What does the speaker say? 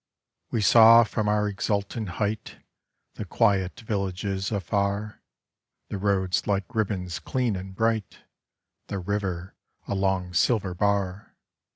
We saw from our exultant height The quiet villages afar, The roads like ribbons dean and bright, The river a long silver bar.